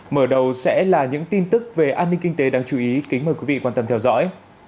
mở đầu sẽ là những tin tức về an ninh kinh tế đáng chú ý kính mời quý vị quan tâm theo dõi